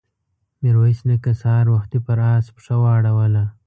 ميرويس نيکه سهار وختي پر آس پښه واړوله.